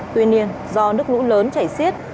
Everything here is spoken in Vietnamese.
tuy nhiên do nước lũ lớn chảy xiết